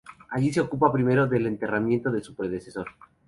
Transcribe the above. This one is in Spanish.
Allí se ocupa primero del enterramiento de su predecesor.